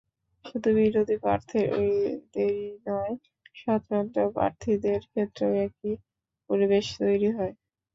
শুধু বিরোধী প্রার্থীদেরই নয়, স্বতন্ত্র প্রার্থীদের ক্ষেত্রেও একই পরিবেশ তৈরি হয়।